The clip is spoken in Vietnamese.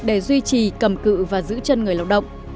để duy trì cầm cự và giữ chân người lao động